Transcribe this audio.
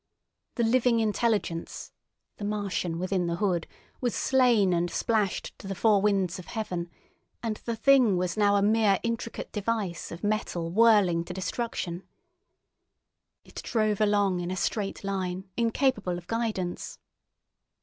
The living intelligence, the Martian within the hood, was slain and splashed to the four winds of heaven, and the Thing was now but a mere intricate device of metal whirling to destruction. It drove along in a straight line, incapable of guidance.